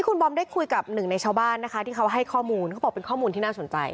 คุณบอมได้คุยกับหนึ่งในชาวบ้านนะคะที่เขาให้ข้อมูลเขาบอกเป็นข้อมูลที่น่าสนใจ